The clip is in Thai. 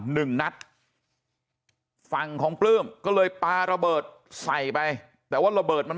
หนึ่งนัดฝั่งของปลื้มก็เลยปลาระเบิดใส่ไปแต่ว่าระเบิดมัน